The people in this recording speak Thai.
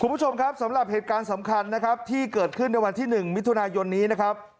คุณผู้ชมครับสำหรับเหตุการณ์สำคัญนะครับที่เกิดขึ้นในวันที่๑มิถุนายนนี้นะครับ